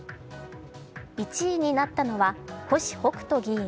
１位になったのは、星北斗議員。